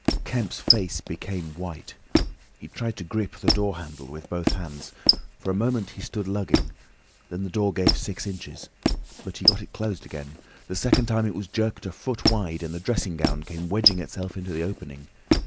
Kemp's face became white. He tried to grip the door handle with both hands. For a moment he stood lugging. Then the door gave six inches. But he got it closed again. The second time it was jerked a foot wide, and the dressing gown came wedging itself into the opening.